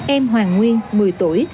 em hoàng nguyên một mươi tuổi